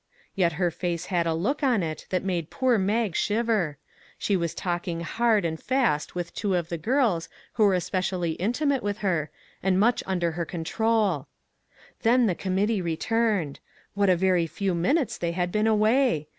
Yet her face had a look on it that made poor Mag shiver; she was talking hard and fast with two of the girls who were especially intimate with her, and much under her control. Then the committee returned. What a very few minutes they had been away!